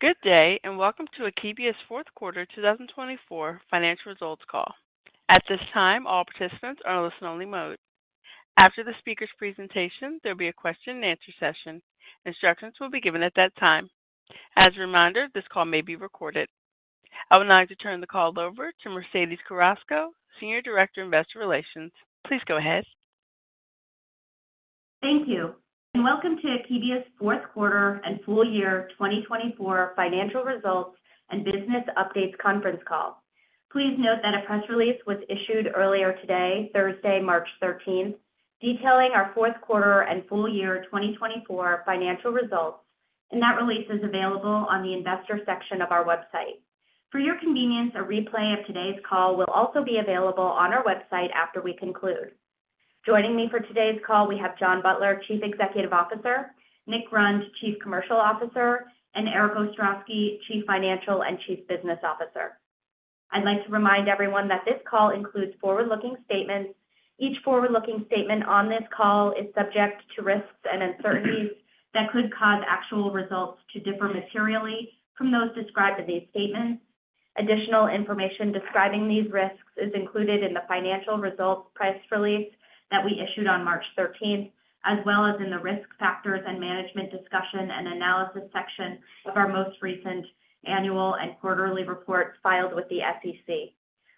Good day, and welcome to Akebia's fourth quarter 2024 financial results call. At this time, all participants are in a listen-only mode. After the speaker's presentation, there will be a question-and-answer session. Instructions will be given at that time. As a reminder, this call may be recorded. I would like to turn the call over to Mercedes Carrasco, Senior Director of Investor Relations. Please go ahead. Thank you, and welcome to Akebia's fourth quarter and full year 2024 financial results and business updates conference call. Please note that a press release was issued earlier today, Thursday, March 13th, detailing our fourth quarter and full year 2024 financial results, and that release is available on the investor section of our website. For your convenience, a replay of today's call will also be available on our website after we conclude. Joining me for today's call, we have John Butler, Chief Executive Officer; Nick Grund, Chief Commercial Officer; and Erik Ostrowski, Chief Financial and Chief Business Officer. I'd like to remind everyone that this call includes forward-looking statements. Each forward-looking statement on this call is subject to risks and uncertainties that could cause actual results to differ materially from those described in these statements. Additional information describing these risks is included in the financial results press release that we issued on March 13th, as well as in the risk factors and management discussion and analysis section of our most recent annual and quarterly reports filed with the SEC.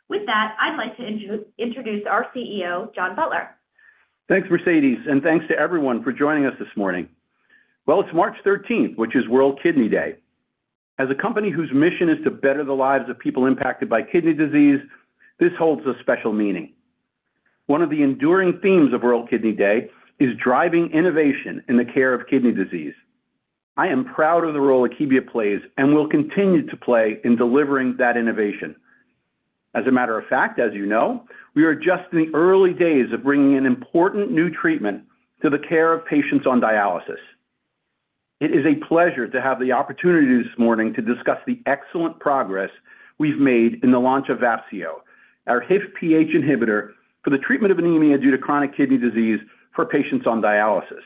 With that, I'd like to introduce our CEO, John Butler. Thanks, Mercedes, and thanks to everyone for joining us this morning. It is March 13th, which is World Kidney Day. As a company whose mission is to better the lives of people impacted by kidney disease, this holds a special meaning. One of the enduring themes of World Kidney Day is driving innovation in the care of kidney disease. I am proud of the role Akebia plays and will continue to play in delivering that innovation. As a matter of fact, as you know, we are just in the early days of bringing an important new treatment to the care of patients on dialysis. It is a pleasure to have the opportunity this morning to discuss the excellent progress we have made in the launch of Vafseo, our HIF-PH inhibitor for the treatment of anemia due to chronic kidney disease for patients on dialysis.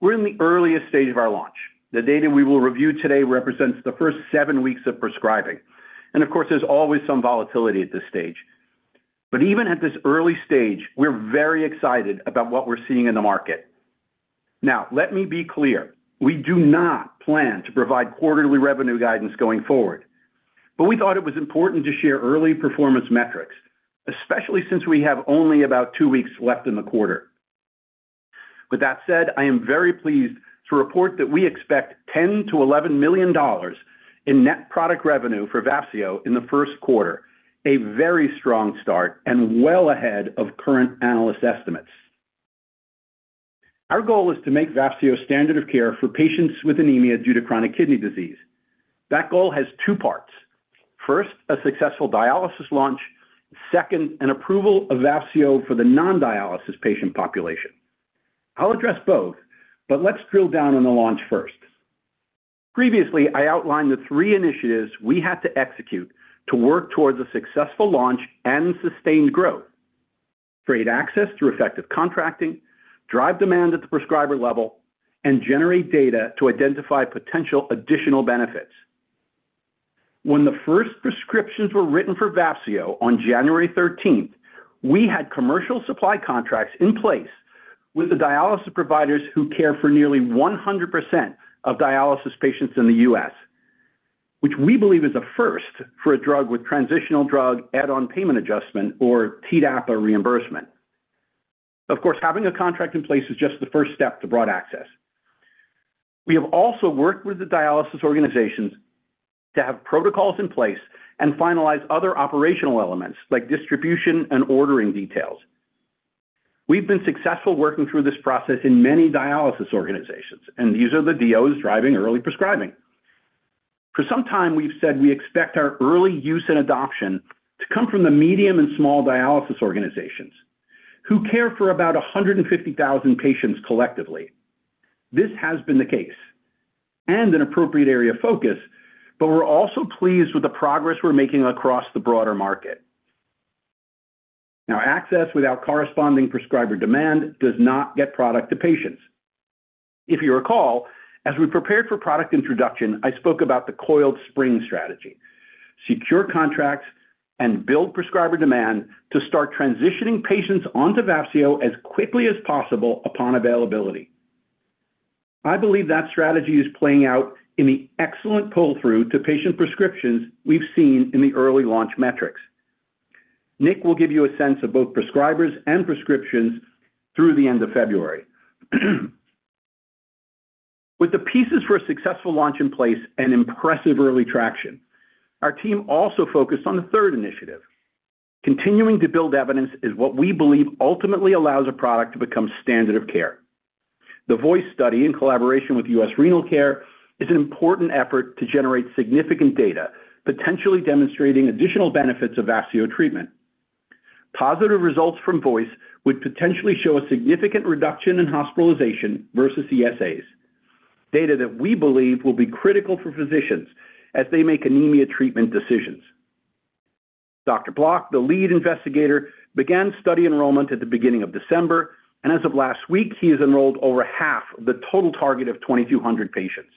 We're in the earliest stage of our launch. The data we will review today represents the first seven weeks of prescribing, and of course, there's always some volatility at this stage. Even at this early stage, we're very excited about what we're seeing in the market. Now, let me be clear: we do not plan to provide quarterly revenue guidance going forward, but we thought it was important to share early performance metrics, especially since we have only about two weeks left in the quarter. With that said, I am very pleased to report that we expect $10 million-$11 million in net product revenue for Vafseo in the first quarter, a very strong start and well ahead of current analyst estimates. Our goal is to make Vafseo standard of care for patients with anemia due to chronic kidney disease. That goal has two parts: first, a successful dialysis launch; second, an approval of Vafseo for the non-dialysis patient population. I'll address both, but let's drill down on the launch first. Previously, I outlined the three initiatives we had to execute to work towards a successful launch and sustained growth: create access through effective contracting, drive demand at the prescriber level, and generate data to identify potential additional benefits. When the first prescriptions were written for Vafseo on January 13th, we had commercial supply contracts in place with the dialysis providers who care for nearly 100% of dialysis patients in the U.S., which we believe is a first for a drug with transitional drug add-on payment adjustment, or TDAPA reimbursement. Of course, having a contract in place is just the first step to broad access. We have also worked with the dialysis organizations to have protocols in place and finalize other operational elements like distribution and ordering details. We've been successful working through this process in many dialysis organizations, and these are the DOs driving early prescribing. For some time, we've said we expect our early use and adoption to come from the medium and small dialysis organizations who care for about 150,000 patients collectively. This has been the case and an appropriate area of focus, but we're also pleased with the progress we're making across the broader market. Now, access without corresponding prescriber demand does not get product to patients. If you recall, as we prepared for product introduction, I spoke about the coiled spring strategy: secure contracts and build prescriber demand to start transitioning patients onto Vafseo as quickly as possible upon availability. I believe that strategy is playing out in the excellent pull-through to patient prescriptions we've seen in the early launch metrics. Nick will give you a sense of both prescribers and prescriptions through the end of February. With the pieces for a successful launch in place and impressive early traction, our team also focused on the third initiative. Continuing to build evidence is what we believe ultimately allows a product to become standard of care. The VOICE study in collaboration with U.S. Renal Care is an important effort to generate significant data potentially demonstrating additional benefits of Vafseo treatment. Positive results from VOICE would potentially show a significant reduction in hospitalization versus ESAs, data that we believe will be critical for physicians as they make anemia treatment decisions. Dr. Block, the lead investigator, began study enrollment at the beginning of December, and as of last week, he has enrolled over half of the total target of 2,200 patients.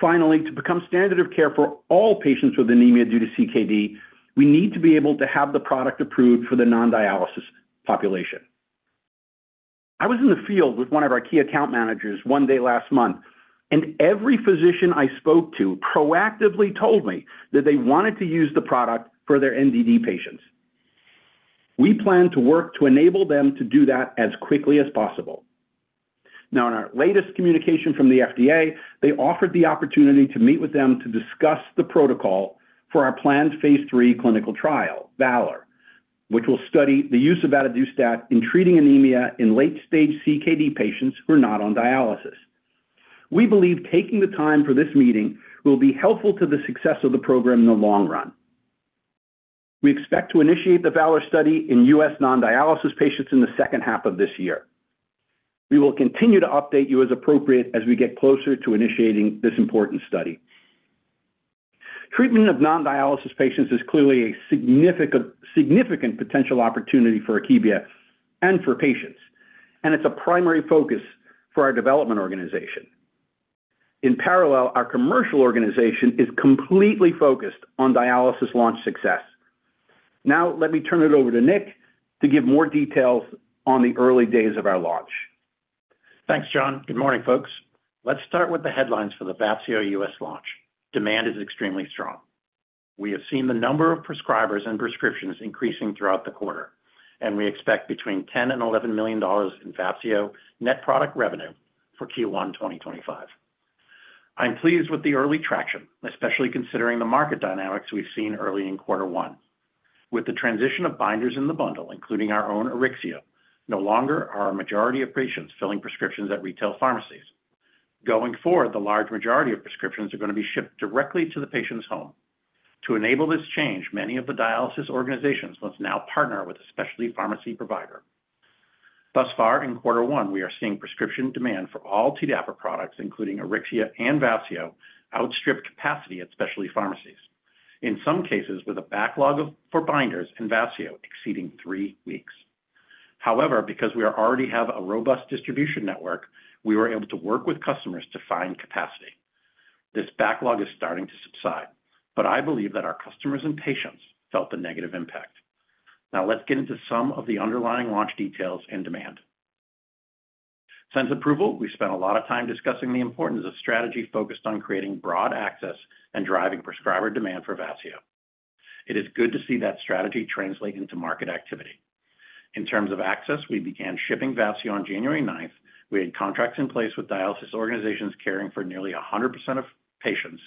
Finally, to become standard of care for all patients with anemia due to CKD, we need to be able to have the product approved for the non-dialysis population. I was in the field with one of our key account managers one day last month, and every physician I spoke to proactively told me that they wanted to use the product for their NDD patients. We plan to work to enable them to do that as quickly as possible. Now, in our latest communication from the FDA, they offered the opportunity to meet with them to discuss the protocol for our planned phase 3 clinical trial, VALOR, which will study the use of Vafseo in treating anemia in late-stage CKD patients who are not on dialysis. We believe taking the time for this meeting will be helpful to the success of the program in the long run. We expect to initiate the VALOR study in U.S. non-dialysis patients in the second half of this year. We will continue to update you as appropriate as we get closer to initiating this important study. Treatment of non-dialysis patients is clearly a significant potential opportunity for Akebia and for patients, and it's a primary focus for our development organization. In parallel, our commercial organization is completely focused on dialysis launch success. Now, let me turn it over to Nick to give more details on the early days of our launch. Thanks, John. Good morning, folks. Let's start with the headlines for the Vafseo U.S. launch. Demand is extremely strong. We have seen the number of prescribers and prescriptions increasing throughout the quarter, and we expect between $10 million and $11 million in Vafseo net product revenue for Q1 2025. I'm pleased with the early traction, especially considering the market dynamics we've seen early in quarter one. With the transition of binders in the bundle, including our own Auryxia, no longer are a majority of patients filling prescriptions at retail pharmacies. Going forward, the large majority of prescriptions are going to be shipped directly to the patient's home. To enable this change, many of the dialysis organizations must now partner with a specialty pharmacy provider. Thus far, in quarter one, we are seeing prescription demand for all TDAPA products, including Auryxia and Vafseo, outstrip capacity at specialty pharmacies, in some cases with a backlog for binders and Vafseo exceeding three weeks. However, because we already have a robust distribution network, we were able to work with customers to find capacity. This backlog is starting to subside, but I believe that our customers and patients felt the negative impact. Now, let's get into some of the underlying launch details and demand. Since approval, we spent a lot of time discussing the importance of strategy focused on creating broad access and driving prescriber demand for Vafseo. It is good to see that strategy translate into market activity. In terms of access, we began shipping Vafseo on January 9th. We had contracts in place with dialysis organizations caring for nearly 100% of patients,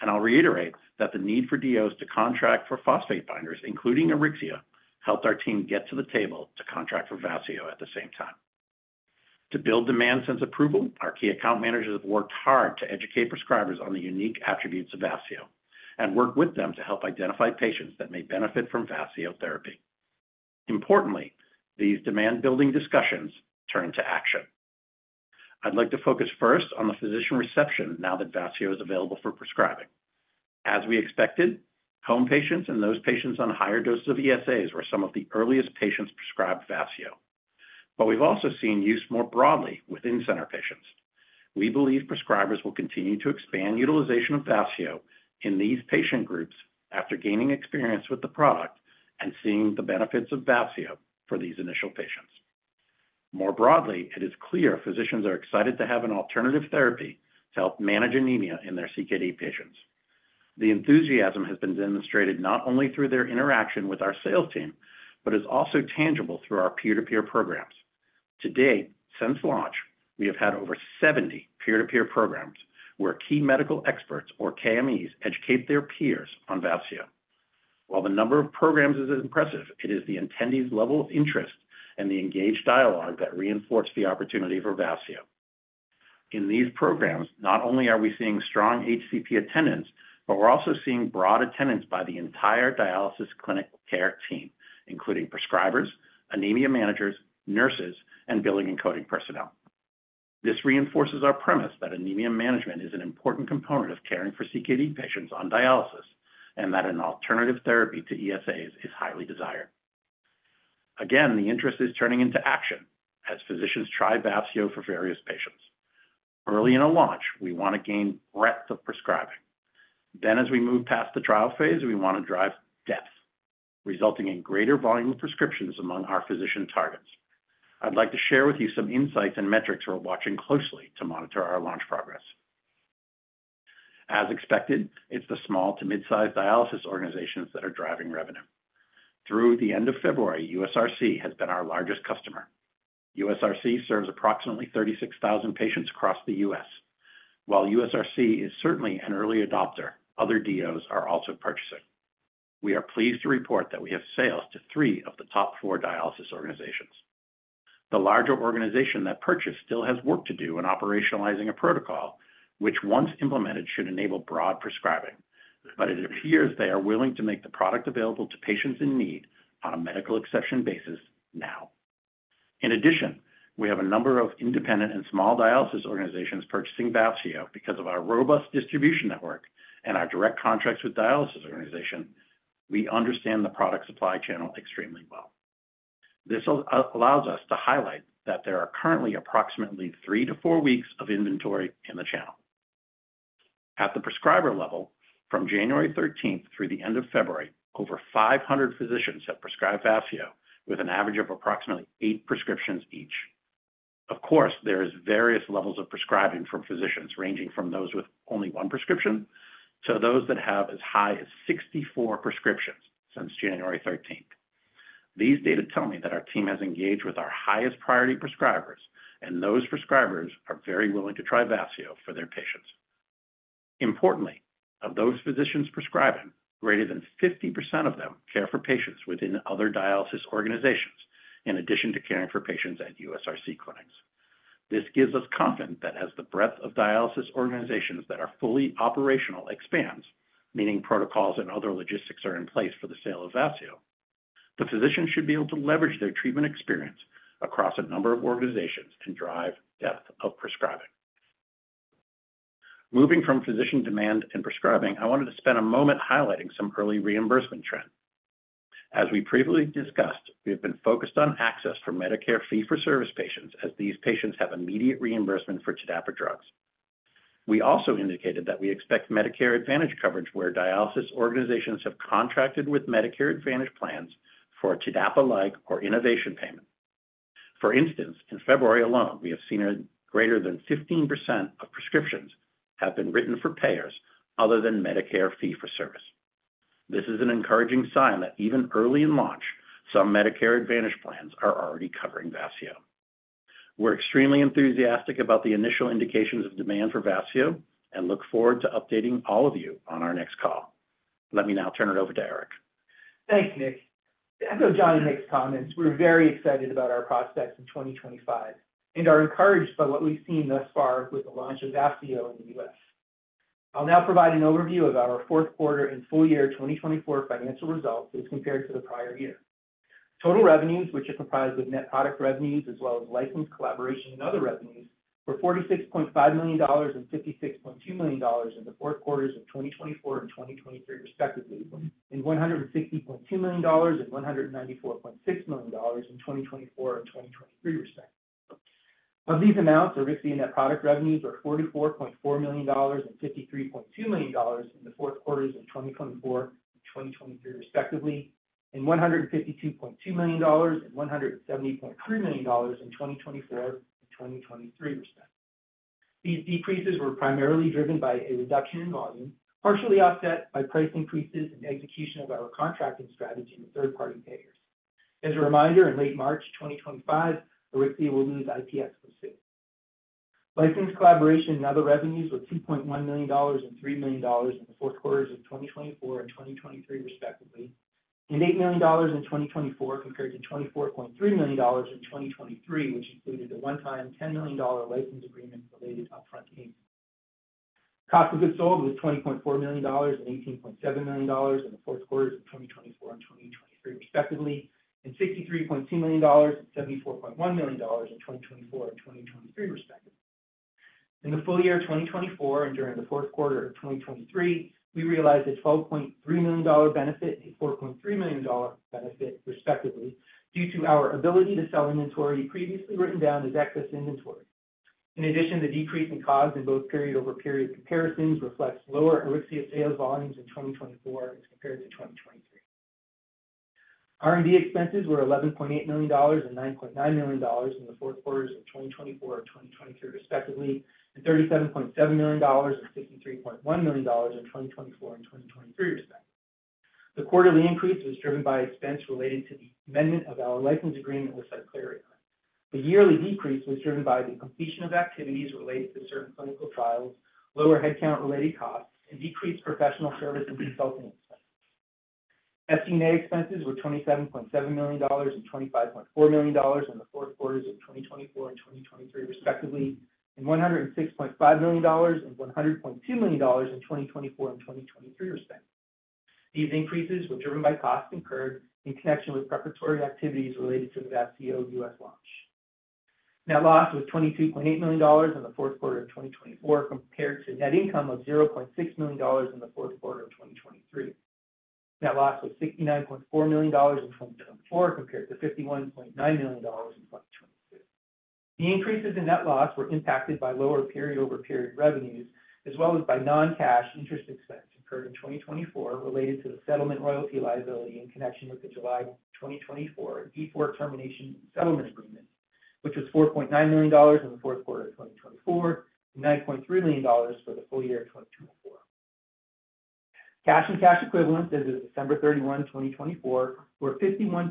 and I'll reiterate that the need for DOs to contract for phosphate binders, including Auryxia, helped our team get to the table to contract for Vafseo at the same time. To build demand since approval, our key account managers have worked hard to educate prescribers on the unique attributes of Vafseo and work with them to help identify patients that may benefit from Vafseo therapy. Importantly, these demand-building discussions turned to action. I'd like to focus first on the physician reception now that Vafseo is available for prescribing. As we expected, home patients and those patients on higher doses of ESAs were some of the earliest patients prescribed Vafseo, but we've also seen use more broadly with in-center patients. We believe prescribers will continue to expand utilization of Vafseo in these patient groups after gaining experience with the product and seeing the benefits of Vafseo for these initial patients. More broadly, it is clear physicians are excited to have an alternative therapy to help manage anemia in their CKD patients. The enthusiasm has been demonstrated not only through their interaction with our sales team, but is also tangible through our peer-to-peer programs. To date, since launch, we have had over 70 peer-to-peer programs where key medical experts, or KMEs, educate their peers on Vafseo. While the number of programs is impressive, it is the attendees' level of interest and the engaged dialogue that reinforce the opportunity for Vafseo. In these programs, not only are we seeing strong HCP attendance, but we're also seeing broad attendance by the entire dialysis clinic care team, including prescribers, anemia managers, nurses, and billing and coding personnel. This reinforces our premise that anemia management is an important component of caring for CKD patients on dialysis and that an alternative therapy to ESAs is highly desired. Again, the interest is turning into action as physicians try Vafseo for various patients. Early in a launch, we want to gain breadth of prescribing. Then, as we move past the trial phase, we want to drive depth, resulting in greater volume of prescriptions among our physician targets. I'd like to share with you some insights and metrics we're watching closely to monitor our launch progress. As expected, it's the small to mid-sized dialysis organizations that are driving revenue. Through the end of February, USRC has been our largest customer. USRC serves approximately 36,000 patients across the U.S. While USRC is certainly an early adopter, other DOs are also purchasing. We are pleased to report that we have sales to three of the top four dialysis organizations. The larger organization that purchased still has work to do in operationalizing a protocol, which once implemented should enable broad prescribing, but it appears they are willing to make the product available to patients in need on a medical exception basis now. In addition, we have a number of independent and small dialysis organizations purchasing Vafseo because of our robust distribution network and our direct contracts with dialysis organizations. We understand the product supply channel extremely well. This allows us to highlight that there are currently approximately three to four weeks of inventory in the channel. At the prescriber level, from January 13 through the end of February, over 500 physicians have prescribed Vafseo with an average of approximately eight prescriptions each. Of course, there are various levels of prescribing for physicians, ranging from those with only one prescription to those that have as high as 64 prescriptions since January 13. These data tell me that our team has engaged with our highest priority prescribers, and those prescribers are very willing to try Vafseo for their patients. Importantly, of those physicians prescribing, greater than 50% of them care for patients within other dialysis organizations in addition to caring for patients at USRC clinics. This gives us confidence that as the breadth of dialysis organizations that are fully operational expands, meaning protocols and other logistics are in place for the sale of Vafseo, the physicians should be able to leverage their treatment experience across a number of organizations and drive depth of prescribing. Moving from physician demand and prescribing, I wanted to spend a moment highlighting some early reimbursement trends. As we previously discussed, we have been focused on access for Medicare fee-for-service patients as these patients have immediate reimbursement for TDAPA drugs. We also indicated that we expect Medicare Advantage coverage where dialysis organizations have contracted with Medicare Advantage plans for TDAPA-like or innovation payment. For instance, in February alone, we have seen greater than 15% of prescriptions have been written for payers other than Medicare fee-for-service. This is an encouraging sign that even early in launch, some Medicare Advantage plans are already covering Vafseo. We're extremely enthusiastic about the initial indications of demand for Vafseo and look forward to updating all of you on our next call. Let me now turn it over to Erik. Thanks, Nick. After John and Nick's comments, we're very excited about our prospects in 2025 and are encouraged by what we've seen thus far with the launch of Vafseo in the U.S. I'll now provide an overview of our fourth quarter and full year 2024 financial results as compared to the prior year. Total revenues, which are comprised of net product revenues as well as license, collaboration, and other revenues, were $46.5 million and $56.2 million in the fourth quarters of 2024 and 2023, respectively, and $160.2 million and $194.6 million in 2024 and 2023, respectively. Of these amounts, Auryxia net product revenues were $44.4 million and $53.2 million in the fourth quarters of 2024 and 2023, respectively, and $152.2 million and $170.3 million in 2024 and 2023, respectively. These decreases were primarily driven by a reduction in volume, partially offset by price increases and execution of our contracting strategy with third-party payers. As a reminder, in late March 2025, Auryxia will lose IP exclusivity. License, collaboration, and other revenues were $2.1 million and $3 million in the fourth quarters of 2024 and 2023, respectively, and $8 million in 2024 compared to $24.3 million in 2023, which included a one-time $10 million license agreement related to upfront payments. Cost of goods sold was $20.4 million and $18.7 million in the fourth quarters of 2024 and 2023, respectively, and $63.2 million and $74.1 million in 2024 and 2023, respectively. In the full year of 2024 and during the fourth quarter of 2023, we realized a $12.3 million benefit and a $4.3 million benefit, respectively, due to our ability to sell inventory previously written down as excess inventory. In addition, the decrease in cost in both period-over-period comparisons reflects lower Auryxia sales volumes in 2024 as compared to 2023. R&D expenses were $11.8 million and $9.9 million in the fourth quarters of 2024 and 2023, respectively, and $37.7 million and $63.1 million in 2024 and 2023, respectively. The quarterly increase was driven by expense related to the amendment of our license agreement with Cyclerion. The yearly decrease was driven by the completion of activities related to certain clinical trials, lower headcount-related costs, and decreased professional service and consulting expenses. SG&A expenses were $27.7 million and $25.4 million in the fourth quarters of 2024 and 2023, respectively, and $106.5 million and $100.2 million in 2024 and 2023, respectively. These increases were driven by costs incurred in connection with preparatory activities related to the Vafseo U.S. launch. Net loss was $22.8 million in the fourth quarter of 2024 compared to net income of $0.6 million in the fourth quarter of 2023. Net loss was $69.4 million in 2024 compared to $51.9 million in 2022. The increases in net loss were impacted by lower period-over-period revenues as well as by non-cash interest expense incurred in 2024 related to the settlement royalty liability in connection with the July 2024 Vifor termination settlement agreement, which was $4.9 million in the fourth quarter of 2024 and $9.3 million for the full year of 2024. Cash and cash equivalents as of December 31, 2024, were $51.9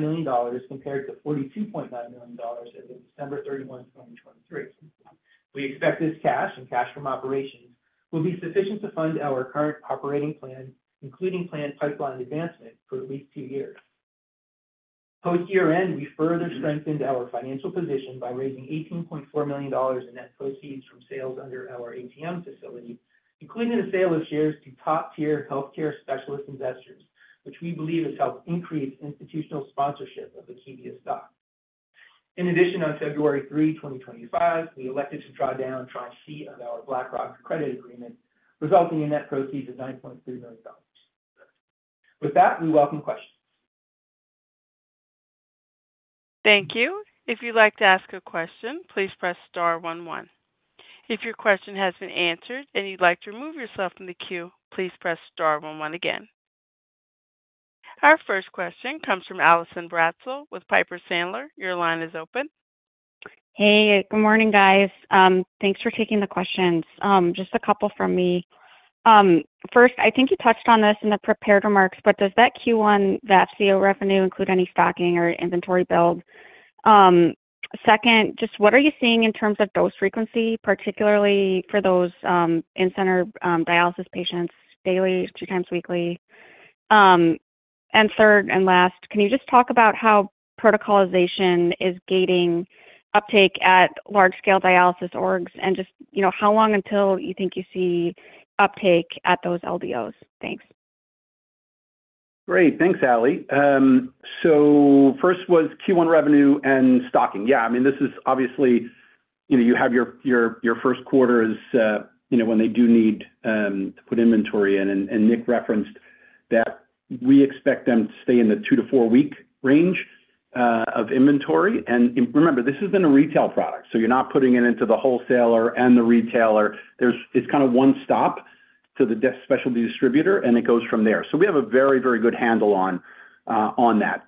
million compared to $42.9 million as of December 31, 2023. We expect this cash and cash from operations will be sufficient to fund our current operating plan, including planned pipeline advancement for at least two years. Post-year end, we further strengthened our financial position by raising $18.4 million in net proceeds from sales under our ATM facility, including the sale of shares to top-tier healthcare specialist investors, which we believe has helped increase institutional sponsorship of the TDAPA. In addition, on February 3, 2025, we elected to draw down Tranche C of our BlackRock credit agreement, resulting in net proceeds of $9.3 million. With that, we welcome questions. Thank you. If you'd like to ask a question, please press star one one. If your question has been answered and you'd like to remove yourself from the queue, please press star one one again. Our first question comes from Allison Bratzel with Piper Sandler. Your line is open. Hey, good morning, guys. Thanks for taking the questions. Just a couple from me. First, I think you touched on this in the prepared remarks, but does that Q1 Vafseo revenue include any stocking or inventory build? Second, just what are you seeing in terms of dose frequency, particularly for those in-center dialysis patients, daily, two times weekly? And third and last, can you just talk about how protocolization is gating uptake at large-scale dialysis orgs and just how long until you think you see uptake at those LDOs? Thanks. Great. Thanks, Allie. First was Q1 revenue and stocking. Yeah, I mean, this is obviously you have your first quarter is when they do need to put inventory in, and Nick referenced that we expect them to stay in the two- to four-week range of inventory. Remember, this has been a retail product, so you're not putting it into the wholesaler and the retailer. It's kind of one stop to the specialty distributor, and it goes from there. We have a very, very good handle on that.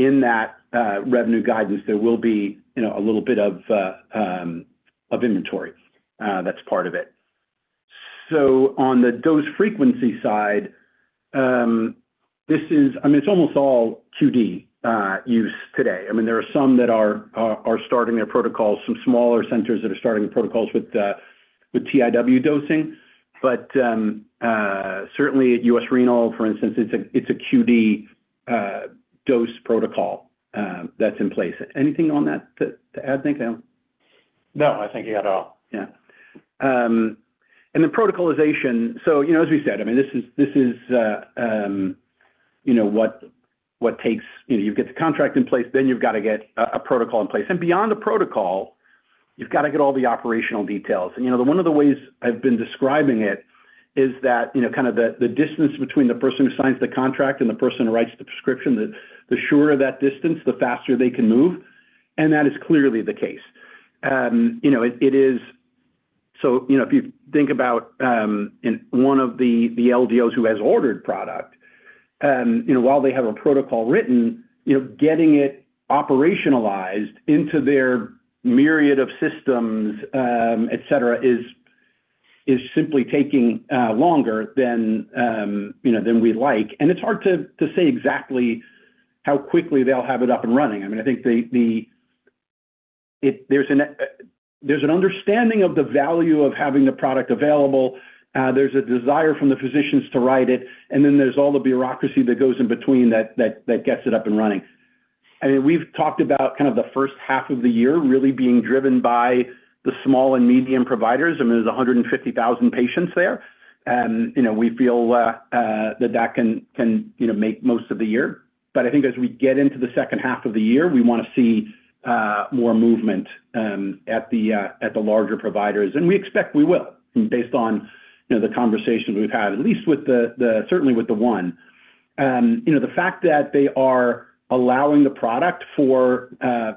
In that revenue guidance, there will be a little bit of inventory that's part of it. On the dose frequency side, this is, I mean, it's almost all QD use today. There are some that are starting their protocols, some smaller centers that are starting protocols with TIW dosing. Certainly, at U.S. Renal, for instance, it's a QD dose protocol that's in place. Anything on that to add, Nick? No, I think you got it all. Yeah. The protocolization, as we said, I mean, this is what takes you get the contract in place, then you've got to get a protocol in place. Beyond the protocol, you've got to get all the operational details. One of the ways I've been describing it is that kind of the distance between the person who signs the contract and the person who writes the prescription, the shorter that distance, the faster they can move. That is clearly the case. If you think about one of the LDOs who has ordered product, while they have a protocol written, getting it operationalized into their myriad of systems, etc., is simply taking longer than we'd like. It's hard to say exactly how quickly they'll have it up and running. I mean, I think there's an understanding of the value of having the product available. There's a desire from the physicians to write it, and then there's all the bureaucracy that goes in between that gets it up and running. I mean, we've talked about kind of the first half of the year really being driven by the small and medium providers. I mean, there's 150,000 patients there. We feel that that can make most of the year. I think as we get into the second half of the year, we want to see more movement at the larger providers. We expect we will, based on the conversations we've had, at least certainly with the one. The fact that they are allowing the product for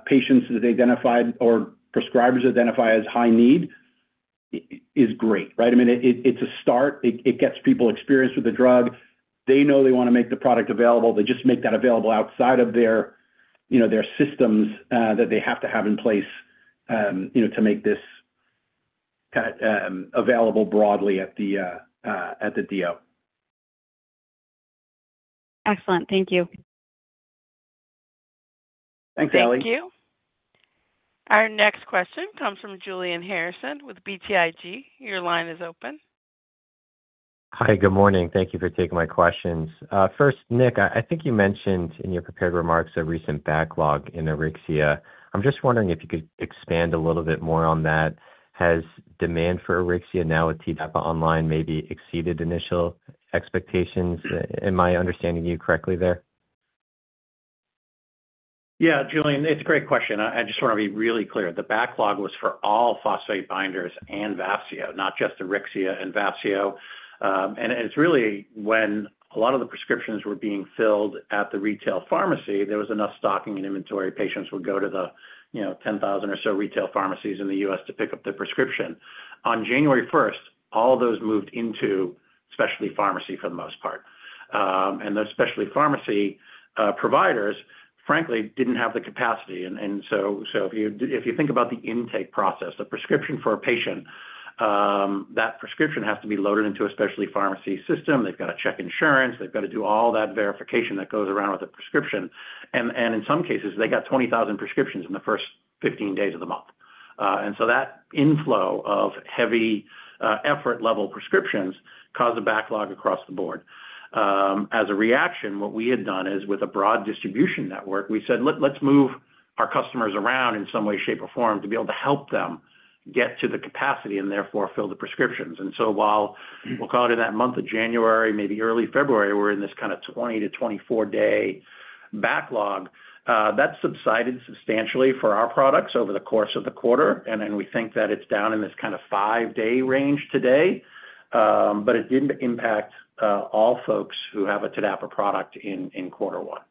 patients that they identified or prescribers identify as high need is great, right? I mean, it's a start. It gets people experienced with the drug. They know they want to make the product available. They just make that available outside of their systems that they have to have in place to make this available broadly at the DO. Excellent. Thank you. Thanks, Allie. Thank you. Our next question comes from Julian Harrison with BTIG. Your line is open. Hi, good morning. Thank you for taking my questions. First, Nick, I think you mentioned in your prepared remarks a recent backlog in Auryxia. I'm just wondering if you could expand a little bit more on that. Has demand for Auryxia now with TDAPA online maybe exceeded initial expectations? Am I understanding you correctly there? Yeah, Julian, it's a great question. I just want to be really clear. The backlog was for all phosphate binders and Vafseo, not just Auryxia and Vafseo. It is really when a lot of the prescriptions were being filled at the retail pharmacy, there was enough stocking and inventory. Patients would go to the 10,000 or so retail pharmacies in the U.S. to pick up their prescription. On January 1, all of those moved into specialty pharmacy for the most part. Those specialty pharmacy providers, frankly, did not have the capacity. If you think about the intake process, the prescription for a patient, that prescription has to be loaded into a specialty pharmacy system. They have to check insurance. They have to do all that verification that goes around with a prescription. In some cases, they got 20,000 prescriptions in the first 15 days of the month. That inflow of heavy effort-level prescriptions caused a backlog across the board. As a reaction, what we had done is with a broad distribution network, we said, "Let's move our customers around in some way, shape, or form to be able to help them get to the capacity and therefore fill the prescriptions." While we'll call it in that month of January, maybe early February, we're in this kind of 20-24 day backlog. That subsided substantially for our products over the course of the quarter. We think that it's down in this kind of five-day range today. It didn't impact all folks who have a TDAPA product in quarter one.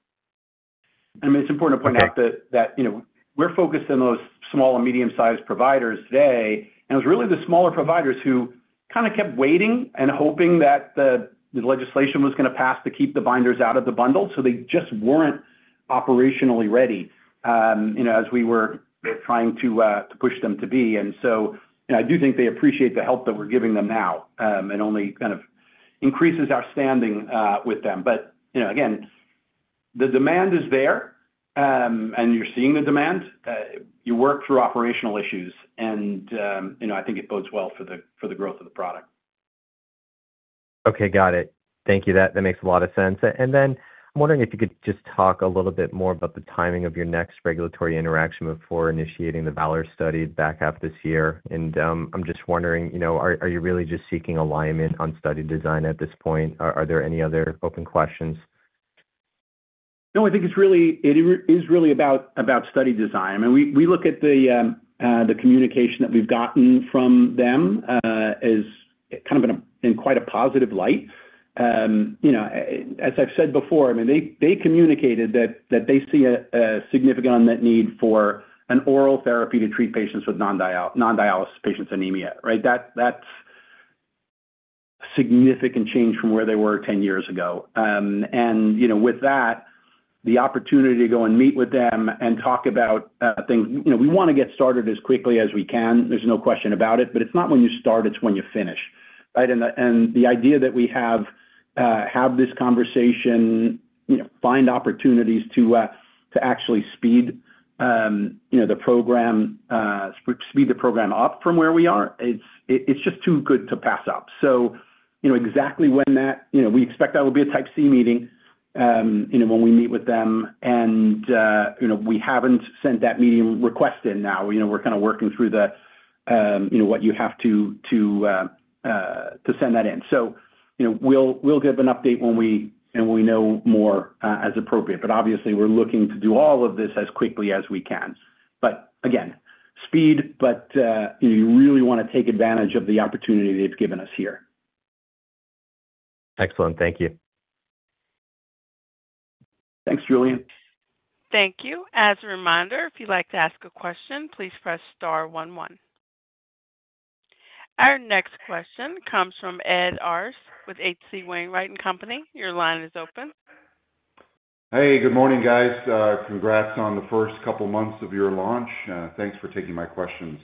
I mean, it's important to point out that we're focused on those small and medium-sized providers today. It was really the smaller providers who kind of kept waiting and hoping that the legislation was going to pass to keep the binders out of the bundle. They just were not operationally ready as we were trying to push them to be. I do think they appreciate the help that we are giving them now and only kind of increases our standing with them. Again, the demand is there, and you are seeing the demand. You work through operational issues, and I think it bodes well for the growth of the product. Okay, got it. Thank you. That makes a lot of sense. I am wondering if you could just talk a little bit more about the timing of your next regulatory interaction before initiating the VALOR study back half this year. I am just wondering, are you really just seeking alignment on study design at this point? Are there any other open questions? No, I think it is really about study design. I mean, we look at the communication that we've gotten from them as kind of in quite a positive light. As I've said before, I mean, they communicated that they see a significant unmet need for an oral therapy to treat patients with non-dialysis patients' anemia, right? That's a significant change from where they were 10 years ago. With that, the opportunity to go and meet with them and talk about things, we want to get started as quickly as we can. There's no question about it. It is not when you start, it's when you finish, right? The idea that we have this conversation, find opportunities to actually speed the program up from where we are, it's just too good to pass up. Exactly when that we expect that will be a Type C meeting when we meet with them. We haven't sent that meeting request in now. We're kind of working through what you have to send that in. We'll give an update when we know more as appropriate. Obviously, we're looking to do all of this as quickly as we can. Again, speed, but you really want to take advantage of the opportunity they've given us here. Excellent. Thank you. Thanks, Julian. Thank you. As a reminder, if you'd like to ask a question, please press star one one. Our next question comes from Ed Arce with H.C. Wainwright & Company. Your line is open. Hey, good morning, guys. Congrats on the first couple of months of your launch. Thanks for taking my questions.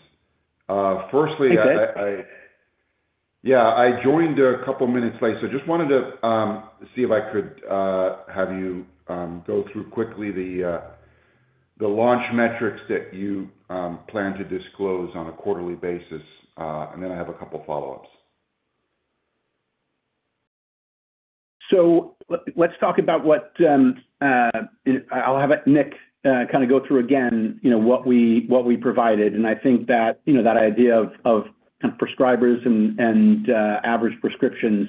Firstly. Thank you. Yeah, I joined a couple of minutes late. I just wanted to see if I could have you go through quickly the launch metrics that you plan to disclose on a quarterly basis. I have a couple of follow-ups. Let's talk about what I'll have Nick kind of go through again, what we provided. I think that idea of kind of prescribers and average prescriptions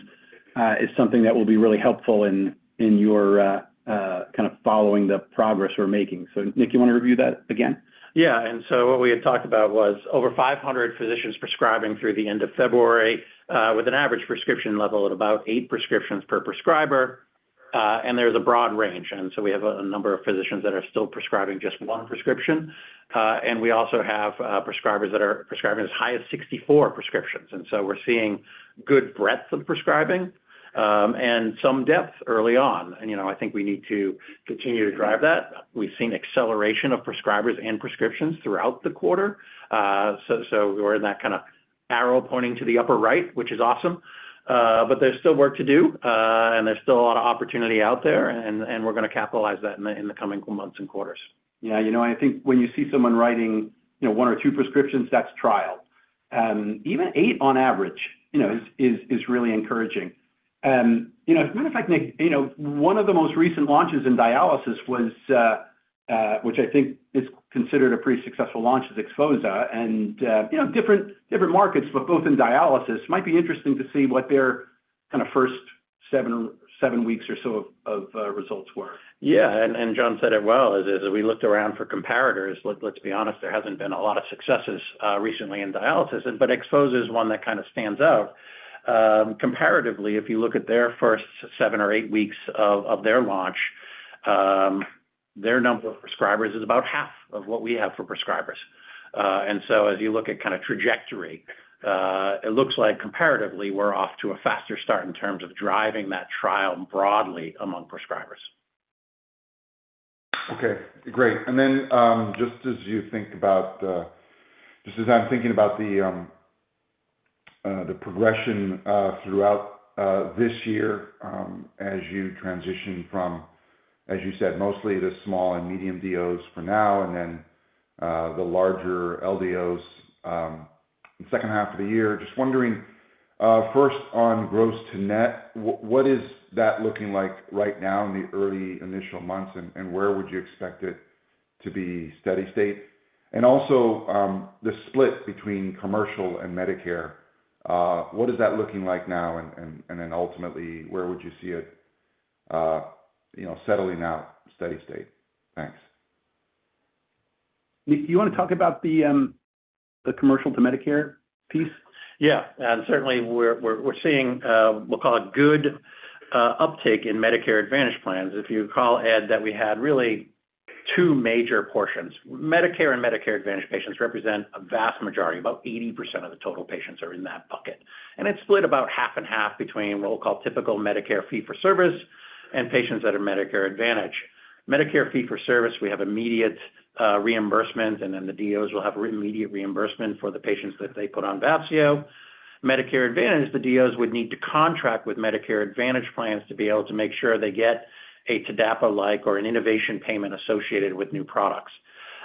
is something that will be really helpful in your kind of following the progress we're making. Nick, you want to review that again? Yeah. What we had talked about was over 500 physicians prescribing through the end of February with an average prescription level of about eight prescriptions per prescriber. There is a broad range. We have a number of physicians that are still prescribing just one prescription. We also have prescribers that are prescribing as high as 64 prescriptions. We are seeing good breadth of prescribing and some depth early on. I think we need to continue to drive that. We have seen acceleration of prescribers and prescriptions throughout the quarter. We are in that kind of arrow pointing to the upper right, which is awesome. There is still work to do, and there is still a lot of opportunity out there, and we are going to capitalize that in the coming months and quarters. Yeah. You know, I think when you see someone writing one or two prescriptions, that's trial. Even eight on average is really encouraging. As a matter of fact, Nick, one of the most recent launches in dialysis, which I think is considered a pretty successful launch, is Xphozah. And different markets, but both in dialysis, might be interesting to see what their kind of first seven weeks or so of results were. Yeah. John said it well. As we looked around for comparators, let's be honest, there hasn't been a lot of successes recently in dialysis. Xphozah is one that kind of stands out. Comparatively, if you look at their first seven or eight weeks of their launch, their number of prescribers is about half of what we have for prescribers. As you look at kind of trajectory, it looks like comparatively, we're off to a faster start in terms of driving that trial broadly among prescribers. Okay. Great. Just as I am thinking about the progression throughout this year as you transition from, as you said, mostly the small and medium DOs for now, and then the larger LDOs in the second half of the year, just wondering first on gross to net, what is that looking like right now in the early initial months, and where would you expect it to be steady state? Also, the split between commercial and Medicare, what is that looking like now? Ultimately, where would you see it settling out steady state? Thanks. Nick, do you want to talk about the commercial to Medicare piece? Yeah. Certainly, we're seeing what we'll call a good uptake in Medicare Advantage plans. If you recall, Ed, that we had really two major portions. Medicare and Medicare Advantage patients represent a vast majority. About 80% of the total patients are in that bucket. It's split about half and half between what we'll call typical Medicare fee-for-service and patients that are Medicare Advantage. Medicare fee-for-service, we have immediate reimbursement, and the DOs will have immediate reimbursement for the patients that they put on Vafseo. Medicare Advantage, the DOs would need to contract with Medicare Advantage plans to be able to make sure they get a TDAPA-like or an innovation payment associated with new products.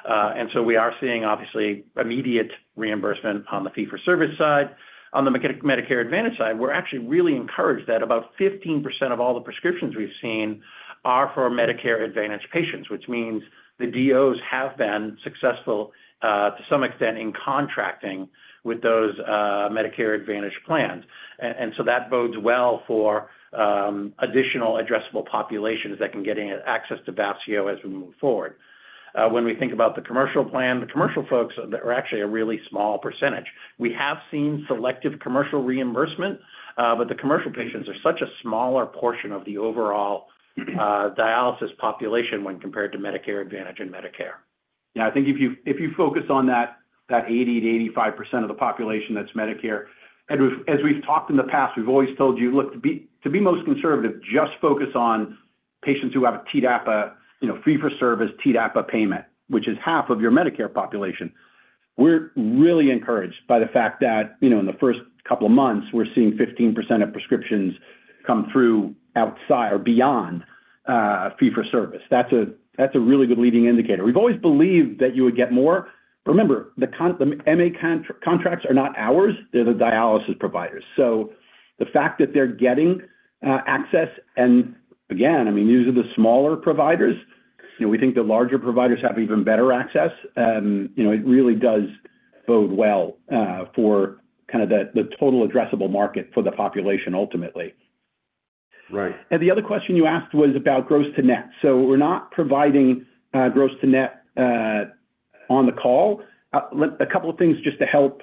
We are seeing, obviously, immediate reimbursement on the fee-for-service side. On the Medicare Advantage side, we're actually really encouraged that about 15% of all the prescriptions we've seen are for Medicare Advantage patients, which means the DOs have been successful to some extent in contracting with those Medicare Advantage plans. That bodes well for additional addressable populations that can get access to Vafseo as we move forward. When we think about the commercial plan, the commercial folks are actually a really small percentage. We have seen selective commercial reimbursement, but the commercial patients are such a smaller portion of the overall dialysis population when compared to Medicare Advantage and Medicare. Yeah. I think if you focus on that 80%-85% of the population that's Medicare, as we've talked in the past, we've always told you, look, to be most conservative, just focus on patients who have a TDAPA fee-for-service TDAPA payment, which is half of your Medicare population. We're really encouraged by the fact that in the first couple of months, we're seeing 15% of prescriptions come through outside or beyond fee-for-service. That's a really good leading indicator. We've always believed that you would get more. Remember, the MA contracts are not ours. They're the dialysis providers. The fact that they're getting access, and again, I mean, these are the smaller providers. We think the larger providers have even better access. It really does bode well for kind of the total addressable market for the population ultimately. Right. The other question you asked was about gross to net. We're not providing gross to net on the call. A couple of things just to help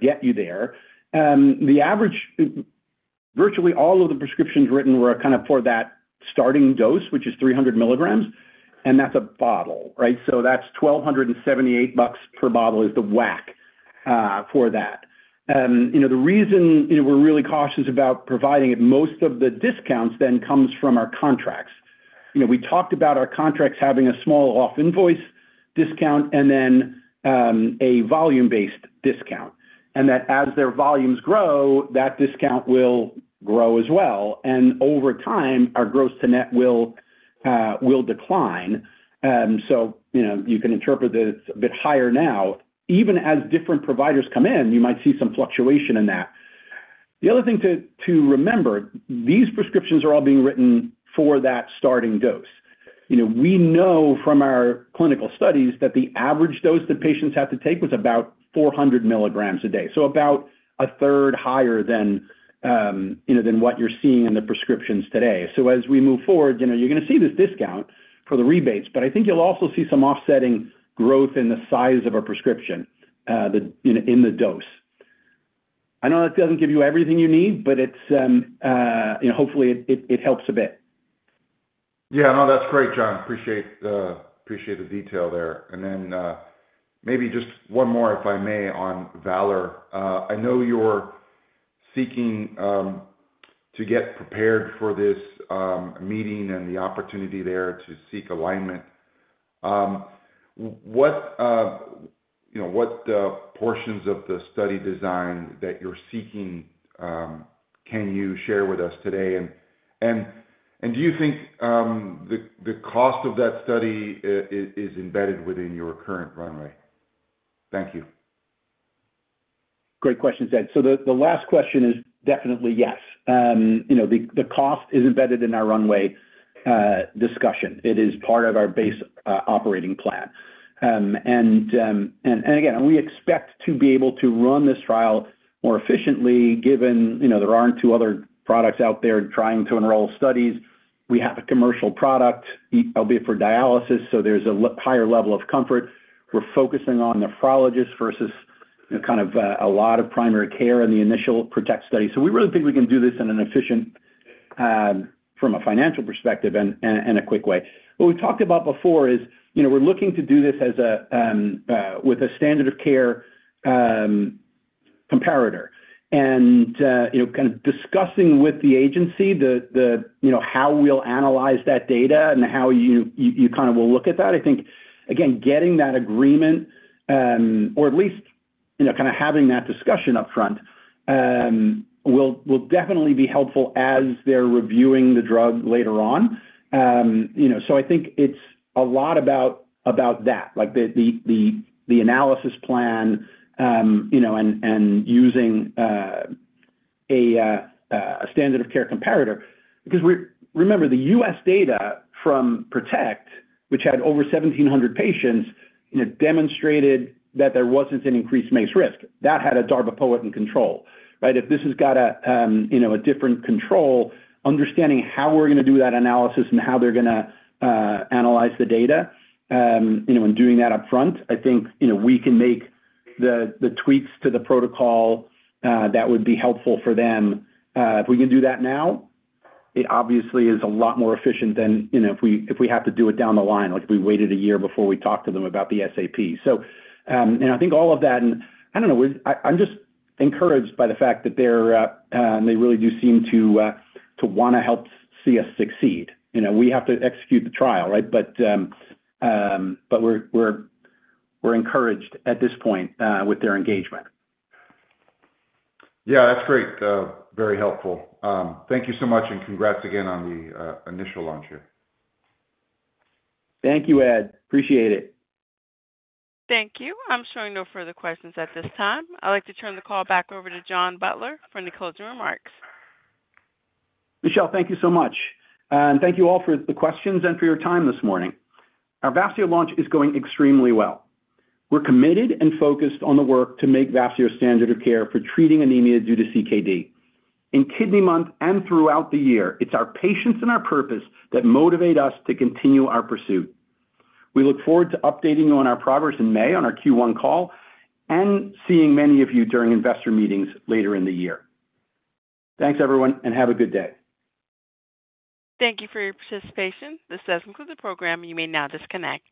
get you there. The average, virtually all of the prescriptions written were kind of for that starting dose, which is 300 milligrams. That's a bottle, right? That's $1,278 per bottle is the WAC for that. The reason we're really cautious about providing it, most of the discounts then come from our contracts. We talked about our contracts having a small off-invoice discount and then a volume-based discount. As their volumes grow, that discount will grow as well. Over time, our gross to net will decline. You can interpret that it's a bit higher now. Even as different providers come in, you might see some fluctuation in that. The other thing to remember, these prescriptions are all being written for that starting dose. We know from our clinical studies that the average dose that patients have to take was about 400 milligrams a day. About a third higher than what you're seeing in the prescriptions today. As we move forward, you're going to see this discount for the rebates. I think you'll also see some offsetting growth in the size of a prescription in the dose. I know that doesn't give you everything you need, but hopefully, it helps a bit. Yeah. No, that's great, John. Appreciate the detail there. Maybe just one more, if I may, on VALOR. I know you're seeking to get prepared for this meeting and the opportunity there to seek alignment. What portions of the study design that you're seeking can you share with us today? Do you think the cost of that study is embedded within your current runway? Thank you. Great questions, Ed. The last question is definitely yes. The cost is embedded in our runway discussion. It is part of our base operating plan. Again, we expect to be able to run this trial more efficiently given there are not two other products out there trying to enroll studies. We have a commercial product, albeit for dialysis, so there is a higher level of comfort. We are focusing on nephrologists versus kind of a lot of primary care and the initial PRO2TECT study. We really think we can do this in an efficient, from a financial perspective, and a quick way. What we talked about before is we are looking to do this with a standard of care comparator. Kind of discussing with the agency how we'll analyze that data and how you kind of will look at that, I think, again, getting that agreement, or at least kind of having that discussion upfront, will definitely be helpful as they're reviewing the drug later on. I think it's a lot about that, like the analysis plan and using a standard of care comparator. Because remember, the U.S. data from PRO2TECT, which had over 1,700 patients, demonstrated that there wasn't an increased MACE risk. That had a darbepoetin control, right? If this has got a different control, understanding how we're going to do that analysis and how they're going to analyze the data and doing that upfront, I think we can make the tweaks to the protocol that would be helpful for them. If we can do that now, it obviously is a lot more efficient than if we have to do it down the line, like if we waited a year before we talked to them about the SAP. I think all of that, and I don't know, I'm just encouraged by the fact that they really do seem to want to help see us succeed. We have to execute the trial, right? We're encouraged at this point with their engagement. Yeah. That's great. Very helpful. Thank you so much, and congrats again on the initial launch here. Thank you, Ed. Appreciate it. Thank you. I'm showing no further questions at this time. I'd like to turn the call back over to John Butler for any closing remarks. Michelle, thank you so much. Thank you all for the questions and for your time this morning. Our Vafseo launch is going extremely well. We're committed and focused on the work to make Vafseo a standard of care for treating anemia due to CKD. In kidney month and throughout the year, it's our patients and our purpose that motivate us to continue our pursuit. We look forward to updating you on our progress in May on our Q1 call and seeing many of you during investor meetings later in the year. Thanks, everyone, and have a good day. Thank you for your participation. This has concluded the program. You may now disconnect.